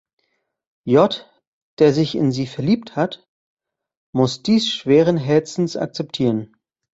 J, der sich in sie verliebt hat, muss dies schweren Herzens akzeptieren.